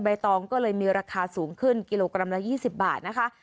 ตองก็เลยมีราคาสูงขึ้นกิโลกรัมละ๒๐บาทนะคะ